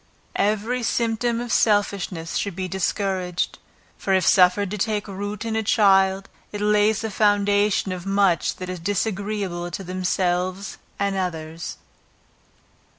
Every symptom of selfishness should be discouraged, for if suffered to take root in a child, it lays the foundation of much that is disagreeable to themselves and others.